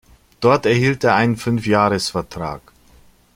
Dort erhielt er einen Fünfjahresvertrag.